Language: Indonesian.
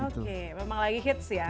oke memang lagi hits ya